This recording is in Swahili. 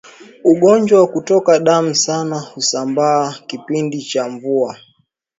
Ugonjwa wa kutoka damu sana husambaa kipindi cha mvua